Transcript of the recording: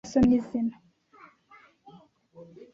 Nyinshi mu nsina z'imineke